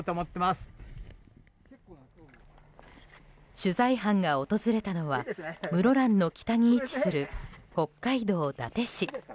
取材班が訪れたのは、室蘭の北に位置する北海道伊達市。